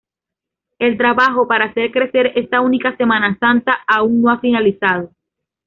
El trabajo para hacer crecer esta única Semana Santa aún no ha finalizado.